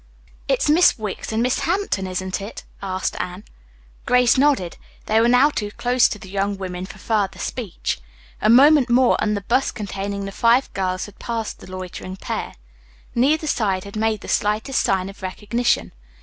"It's Miss Wicks and Miss Hampton, isn't it?" asked Anne. Grace nodded. They were now too close to the young women for further speech. A moment more and the bus containing the five girls had passed the loitering pair. Neither side had made the slightest sign of recognition.